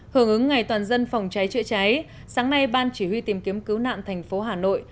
hưởng ứng ngày toàn dân phòng cháy chữa cháy sáng nay ban chỉ huy tìm kiếm cứu nạn thành phố hà nội